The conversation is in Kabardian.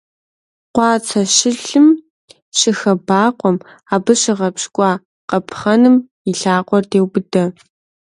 Къуацэ щылъым щыхэбакъуэм, абы щыгъэпщкӀуа къапхъэным и лъакъуэр деубыдэ.